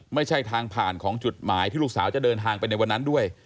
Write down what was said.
ไม่ใช่ทางผ่านของจุดหมายที่ลูกสาวจะเดินทางไปในวันนั้นด้วย